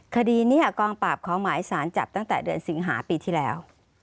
คดีนี้กองปราบเขาหมายสารจับตั้งแต่เดือนสิงหาปีที่แล้ว